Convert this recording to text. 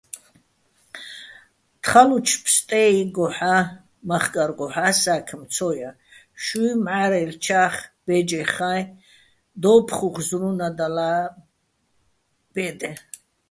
თხალუჩო̆ ფსტე́იგოჰ̦ა́ მახკარგოჰ̦ა́ სა́ქმ ცო ჲა, შუჲ მჵა́რელჩნა́ხ, ბე́ჯეხაე́ დო́უფხუხ ზრუნადალაჼ ბე́დეჼ.